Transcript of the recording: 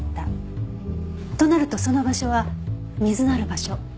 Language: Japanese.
となるとその場所は水のある場所。